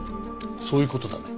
そういう事だね？